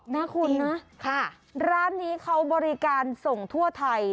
นะคุณนะร้านนี้เขาบริการส่งทั่วไทย